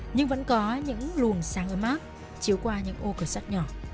nhưng vẫn có những lùn sáng ấm áp chiếu qua những ô cửa sắt nhỏ